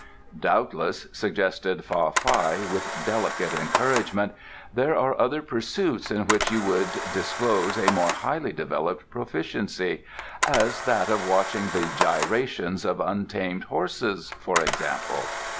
"Doubtless," suggested Fa Fai, with delicate encouragement, "there are other pursuits in which you would disclose a more highly developed proficiency as that of watching the gyrations of untamed horses, for example.